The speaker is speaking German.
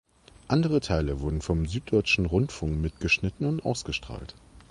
Andere Teile wurden vom Süddeutschen Rundfunk mitgeschnitten und ausgestrahlt.